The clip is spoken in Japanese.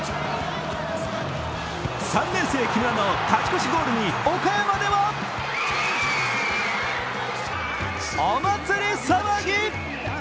３年生・木村の勝ち越しゴールに岡山ではお祭り騒ぎ。